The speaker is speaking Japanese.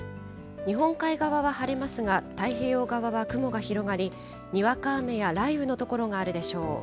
日本海側は晴れますが、太平洋側は雲が広がり、にわか雨や雷雨の所があるでしょう。